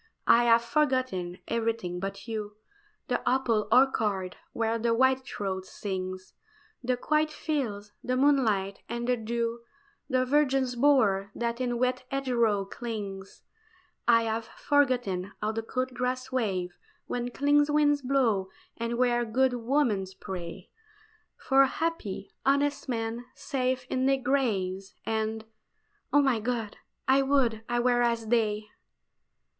I have forgotten everything but you The apple orchard where the whitethroat sings, The quiet fields, the moonlight, and the dew, The virgin's bower that in wet hedgerow clings. I have forgotten how the cool grass waves Where clean winds blow, and where good women pray For happy, honest men, safe in their graves; And oh, my God! I would I were as they!